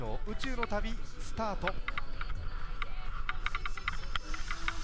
宇宙の旅スタート。